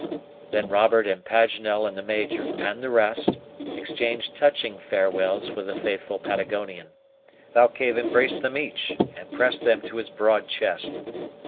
Then Robert, and Paganel, and the Major, and the rest, exchanged touching farewells with the faithful Patagonian. Thalcave embraced them each, and pressed them to his broad chest.